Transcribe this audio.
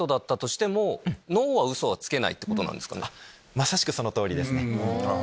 まさしくその通りですね。